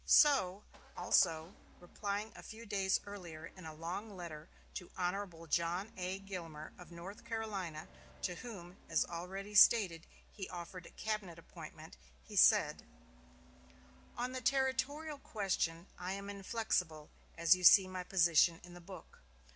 So, also, replying a few days earlier in a long letter to Hon. John A. Gilmer of North Carolina, to whom, as already stated, he offered a cabinet appointment, he said: "On the territorial question I am inflexible, as you see my position in the book.